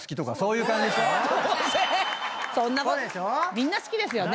みんな好きですよね。